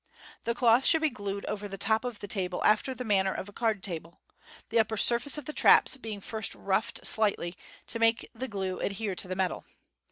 The cloth should be glued over the top of the table after the manm r of a card table ; the upper surface of the traps being first roughed slightly, to make the glue adhere to the metal.